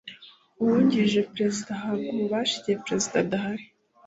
Uwugirije Perezida ahabwa ububasha igihe Perezida adahari